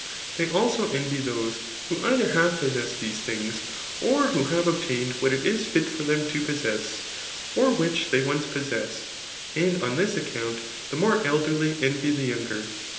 ■ They alsi{> eftvy those who either have possessed these thhigs, or who have ojbtallicd what it is fit for them to possess^ or which tbey ohce^jxi^ses^d; and on this account the mcM e elderly envy the younger.